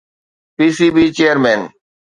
P C B chairman